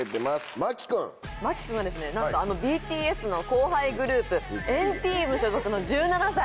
ＭＡＫＩ君はですねなんとあのＢＴＳの後輩グループ＆ＴＥＡＭ所属の１７歳！